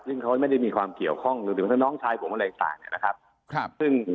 ซึ่งเขาไม่ได้มีความเกี่ยวข้องกับน้องชายผมอะไรต่างนะครับ